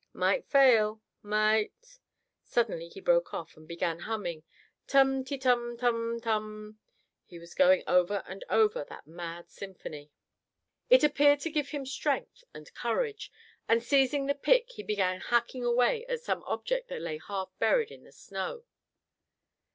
Might fail. Might—" Suddenly he broke off and began humming, "Tum—te—tum—tum—tum." He was going over and over that mad symphony. It appeared to give him strength and courage, and seizing the pick, he began hacking away at some object that lay half buried in the snow.